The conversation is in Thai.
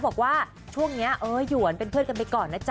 บอกว่าช่วงนี้เออหยวนเป็นเพื่อนกันไปก่อนนะจ๊